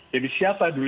jadi siapa dulu